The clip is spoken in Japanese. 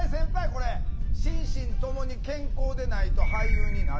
これ心身ともに健康でないと俳優になれないんですか？